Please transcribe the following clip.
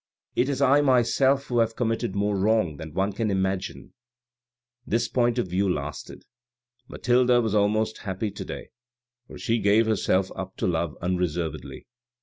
It is I myself who have committed more wrong than one can imagine." This point of view lasted. Mathilde was almost happy to day, for she gave herself up to love unreservedly.